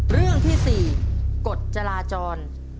เรื่องที่๔กฎจราจร